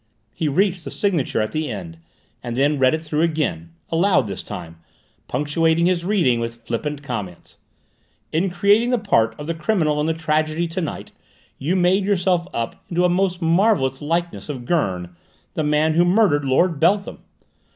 He reached the signature at the end, and then read it through again, aloud this time, punctuating his reading with flippant comments: "'In creating the part of the criminal in the tragedy to night, you made yourself up into a most marvellous likeness of Gurn, the man who murdered Lord Beltham.